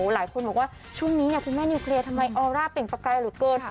หลายคนบอกว่าช่วงนี้คุณแม่นิวเคลียร์ทำไมออร่าเปล่งประกายเหลือเกิน